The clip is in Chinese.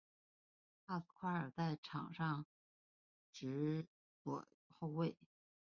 帕斯夸尔在场上司职左后卫。